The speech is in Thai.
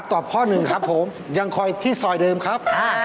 ข้อหนึ่งครับผมยังคอยที่ซอยเดิมครับ